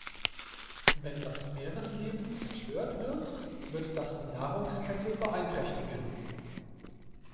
Wenn das Meeresleben zerstört wird, wird das die Nahrungskette beeinträchtigen.